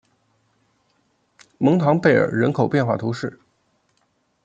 蒙唐贝尔人口变化图示